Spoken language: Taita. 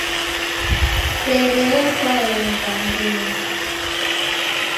Sere yekwaeni w'andunyi.